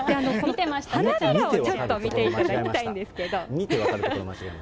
花びらをちょっと見ていただきたいんですけど。